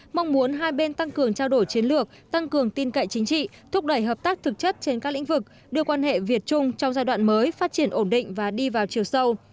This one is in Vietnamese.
mong muốn hai bên tăng cường trao đổi chiến lược tăng cường tin cậy chính trị thúc đẩy hợp tác thực chất trên các lĩnh vực đưa quan hệ việt trung trong giai đoạn mới phát triển ổn định và đi vào chiều sâu